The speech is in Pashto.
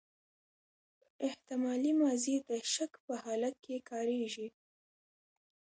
احتمالي ماضي د شک په حالت کښي کاریږي.